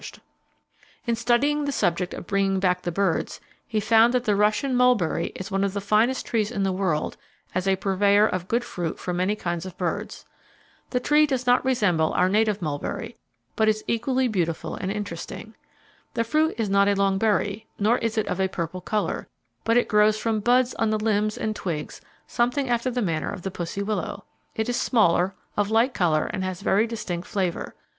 BIRD DAY AT CARRICK, PA. Marching Behind the Governor In studying the subject of bringing back the birds, he found that the Russian mulberry is one of the finest trees in the world as a purveyor of good fruit for many kinds of birds. The tree does not much resemble our native mulberry, but is equally beautiful and interesting. "The fruit is not a long berry, nor is it of a purple color, but it grows from buds on the limbs and twigs something after the manner of the pussy willow. It is smaller, of light color and has a very distinct flavor.